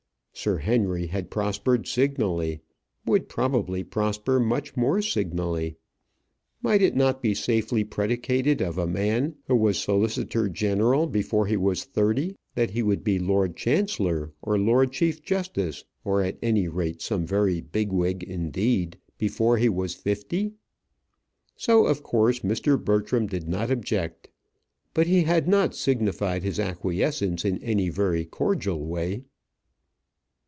Sir Henry had prospered signally would probably prosper much more signally. Might it not be safely predicated of a man who was solicitor general before he was thirty, that he would be lord chancellor or lord chief justice, or at any rate some very bigwig indeed before he was fifty? So of course Mr. Bertram did not object. But he had not signified his acquiescence in any very cordial way.